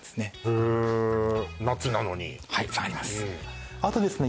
へえはい下がりますあとですね